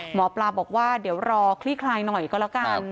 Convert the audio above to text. หมอปลาบอกว่าเดี๋ยวรอคลี่คลายหน่อยก็แล้วกัน